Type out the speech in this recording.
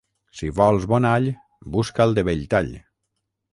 Si vols bon all, busca'l de Belltall.